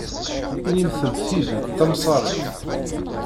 Inimt-d tidet tamsarit.